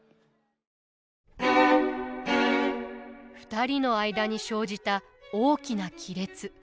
２人の間に生じた大きな亀裂。